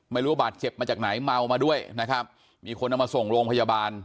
บาดเจ็บมาจากไหนเมามาด้วยนะครับมีคนเอามาส่งโรงพยาบาล